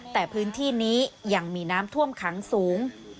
แต่พื้นที่นี้ยังมีน้ำท่วมขังสูง